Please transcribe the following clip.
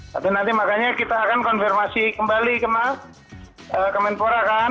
tapi nanti makanya kita akan konfirmasi kembali ke kemenpora kan